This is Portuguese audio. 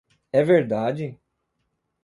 É verdade?